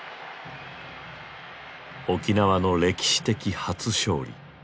沖縄の歴史的初勝利。